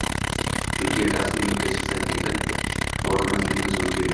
Chunki ertasi kuni yo`lga chiqsak etib borolmasligimiz mumkin